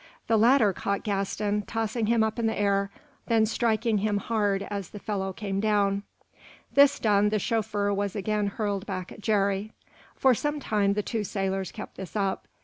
The latter caught Gaston, tossing him up in the air, then striking him hard as the fellow came down. This done, the chauffeur was again hurled back at Jerry. For some time the two sailors kept this up.